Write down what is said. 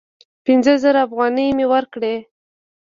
پینځه زره افغانۍ مي ورکړې !